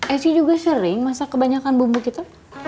esy juga sering masak kebanyakan bumbu kita